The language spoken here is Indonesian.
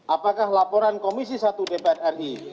apakah laporan komisi satu dpr ri